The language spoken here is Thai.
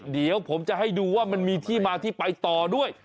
เดี๋ยวผมจะให้ดูว่ามันมีที่มาที่ไปต่อด้วย